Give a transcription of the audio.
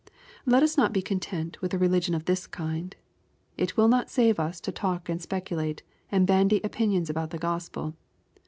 Let us not be content with a religion of this kind. It will not save us to talk and speculate, and bandy opinions about the Gospel.